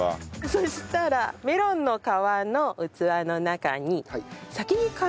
そしたらメロンの皮の器の中に先に果肉を。